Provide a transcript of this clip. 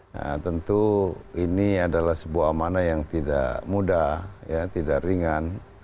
nah tentu ini adalah sebuah mana yang tidak mudah tidak ringan